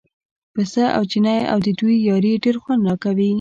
پسه او چینی او د دوی یاري ډېر خوند راکوي.